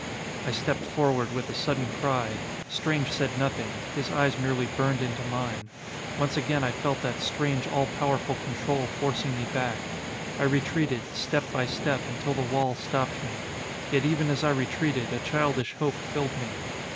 I stepped forward with a sudden cry. Strange said nothing: his eyes merely burned into mine. Once again I felt that strange, all powerful control forcing me back. I retreated, step by step, until the wall stopped me. Yet even as I retreated, a childish hope filled me.